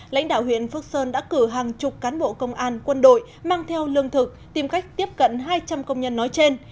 lãnh đạo huyện phước sơn đã cử hàng chục cán bộ công an quân đội mang theo lương thực tìm cách tiếp cận hai trăm linh công nhân nói trên